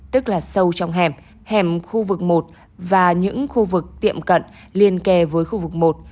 tức là sâu trong hẻm hẻm khu vực một và những khu vực tiệm cận liên kề với khu vực một